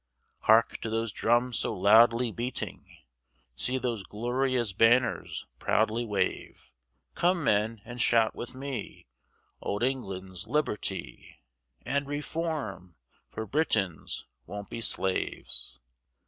Hark to those drums so loudly beating, See those glorious banners proudly wave, Come men, and shout with me, Old England's liberty, And Reform! for Britons won't be slaves.